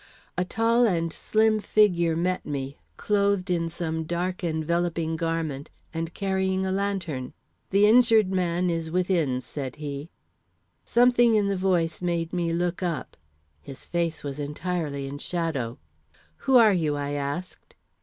A tall and slim figure met me, clothed in some dark enveloping garment, and carrying a lantern. "The injured man is within," said he. Something in the voice made me look up. His face was entirely in shadow. "Who are you?" I asked.